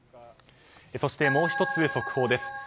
そして、もう１つ速報です。